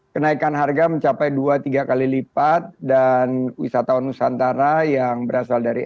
kenaikan harga mencapai dua tiga kali lipat dan wisatawan nusantara yang berasal dari